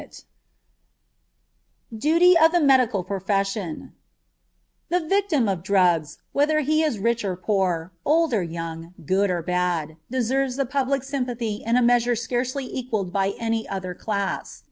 THE DUTY OF THE MEDICAL PROFESSION The victim of drugs, whether he is rich or poor, old or young, good or bad, deserves the public sympathy in a measure scarcely equaled by any other class.